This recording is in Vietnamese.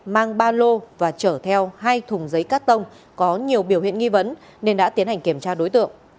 mang ba lô và chở theo hai thùng giấy cắt tông có nhiều biểu hiện nghi vấn nên đã tiến hành kiểm tra đối tượng